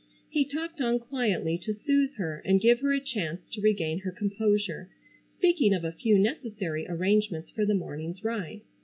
He talked on quietly to soothe her, and give her a chance to regain her composure, speaking of a few necessary arrangements for the morning's ride.